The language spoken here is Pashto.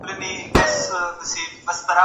ګاونډی هیواد سیاسي پناه نه ورکوي.